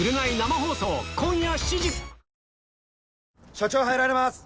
署長入られます！